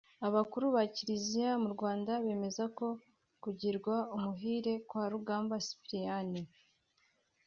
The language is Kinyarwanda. Abakuru ba Kiliziya mu Rwanda bemeza ko kugirwa umuhire kwa Rugamba Cyprien